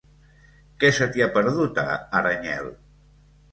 Què se t'hi ha perdut, a Aranyel?